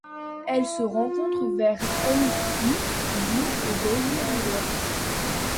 Elle se rencontre vers Humpty Doo et Daly River.